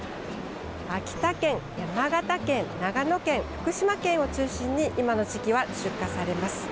秋田県、山形県長野県、福島県を中心に今の時期は出荷されます。